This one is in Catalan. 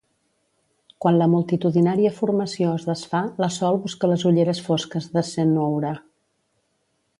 Quan la multitudinària formació es desfà la Sol busca les ulleres fosques de Cenoura.